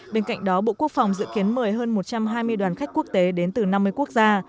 bên cạnh đó bộ quốc phòng dự kiến mời hơn một trăm hai mươi đoàn khách quốc tế đến từ năm mươi quốc gia